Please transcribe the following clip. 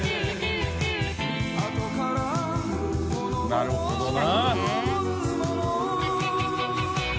なるほどな。